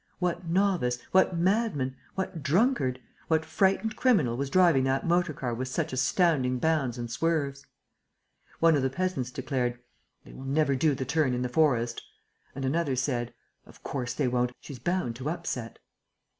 What novice, what madman, what drunkard, what frightened criminal was driving that motor car with such astounding bounds and swerves? One of the peasants declared: "They will never do the turn in the forest." And another said: "Of course they won't! She's bound to upset!"